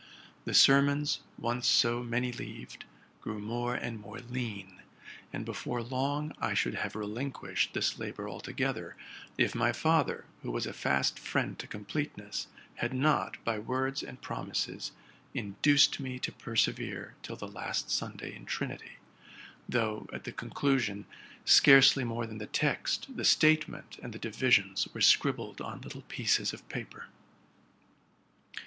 The sermons, once so many leaved, grew more and more lean: and before long I should have relinquished this labor altogether, if my father, who was a fast friend to completeness, had not, 'by words and promises, induced me to persevere ube the last Sunday in Trinity ; though, at the conclusion, scarcely more than the text, the statement, and the divisions were scribbled on little pieces of paper.